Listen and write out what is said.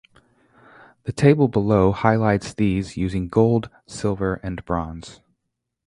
The table below highlights these using "gold, silver, and bronze".